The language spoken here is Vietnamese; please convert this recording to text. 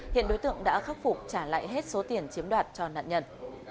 hiện đối tượng đã khắc phục trả lại hết số tiền chiếm đoạt cho nạn nhân